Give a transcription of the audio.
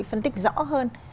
phân tích rõ hơn